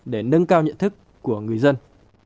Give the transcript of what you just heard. để nâng cao nhận thức của người dân